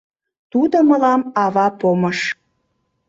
Тудо мылам ава помыш!